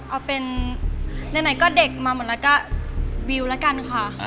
เอาเป็นไหนก็เด็กมาหมดแล้วก็วิวแล้วกันค่ะ